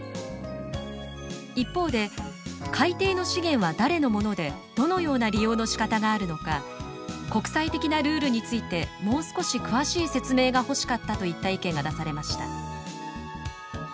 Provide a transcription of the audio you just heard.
一方で「海底の資源は誰のものでどのような利用のしかたがあるのか国際的なルールについてもう少し詳しい説明が欲しかった」といった意見が出されました。